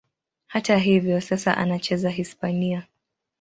Hata hivyo, sasa anacheza Hispania.